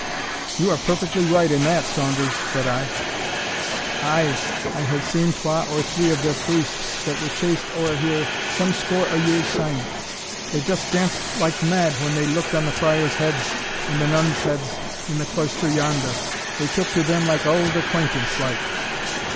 "You are perfectly right in that, Saunders," said I. "Ay, I have seen twa or three of their priests that were chased ower here some score o' years syne. They just danced like mad when they looked on the friars' heads, and the nuns' heads, in the cloister yonder; they took to them like auld acquaintance like.